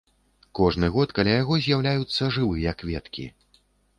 Кожны год каля яго з'яўляюцца жывыя кветкі.